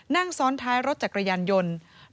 นั่งซ้อนท้ายรถจักรยานยนต์